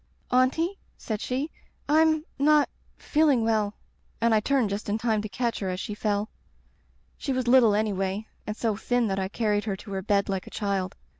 "* Auntie/ said she, Tm — not — ^feeling well/ — ^and I turned just in time to catch her as she fell. She was little anyway, and so thin that I carried her to her bed like a child.